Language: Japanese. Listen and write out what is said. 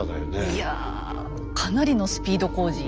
いやかなりのスピード工事。